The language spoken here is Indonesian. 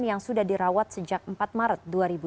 yang sudah dirawat sejak empat maret dua ribu dua puluh